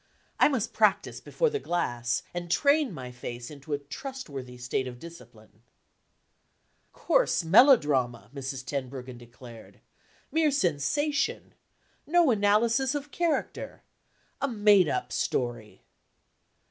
I must practice before the glass and train my face into a trustworthy state of discipline. "Coarse melodrama!" Mrs. Tenbruggen declared. "Mere sensation. No analysis of character. A made up story!"